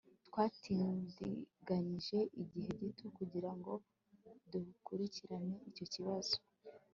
Twatindiganyije igihe gito kugira ngo dukurikirane icyo kibazo